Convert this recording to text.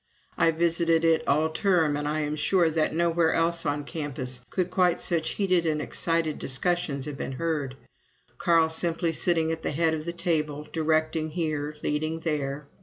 I visited it all the term, and I am sure that nowhere else on the campus could quite such heated and excited discussions have been heard Carl simply sitting at the head of the table, directing here, leading there.